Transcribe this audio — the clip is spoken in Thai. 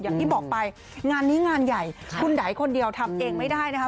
อย่างที่บอกไปงานนี้งานใหญ่คุณใดคนเดียวทำเองไม่ได้นะคะ